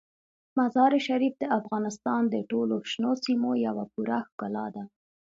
مزارشریف د افغانستان د ټولو شنو سیمو یوه پوره ښکلا ده.